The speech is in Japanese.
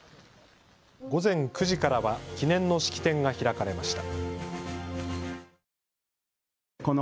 午前９時からは記念の式典が開かれました。